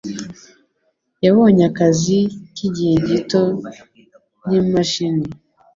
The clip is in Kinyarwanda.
Yabonye akazi k'igihe gito nk'imashini.